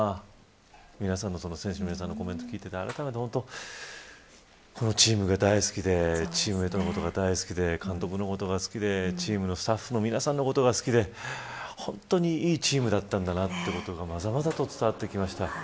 選手の皆さんのコメントを聞いていてもあらためて、このチームが大好きでチームメートが大好きで監督のことが好きでスタッフの皆さんのことが好きで本当にいいチームだったんだなということがまざまざと伝わってきました。